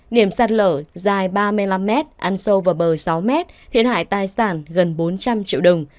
điểm sạt lở dài ba mươi năm m lấn sâu vào bờ sáu m thiệt hại tài sản gần bốn trăm linh triệu đồng